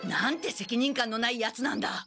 責任感のないヤツなんだ。